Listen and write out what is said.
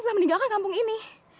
telah meninggalkan kampung ini